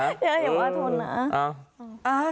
อย่าว่าทนนะ